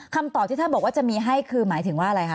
คำตอบที่ท่านบอกว่าจะมีให้คือหมายถึงว่าอะไรคะ